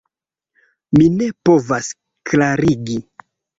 Mi ne povas klarigi